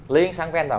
lấy ánh sáng ven vào